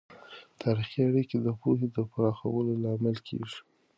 تاریخي اړیکه د پوهې د پراخولو لامل کیږي.